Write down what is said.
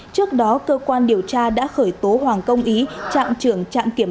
trước đó cơ quan điều tra đã khởi tố hoàng công ý trạm trưởng trạm kiểm